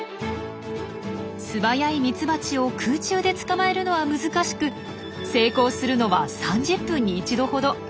素早いミツバチを空中で捕まえるのは難しく成功するのは３０分に１度ほど。